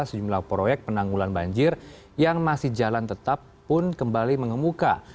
sejumlah proyek penanggulan banjir yang masih jalan tetap pun kembali mengemuka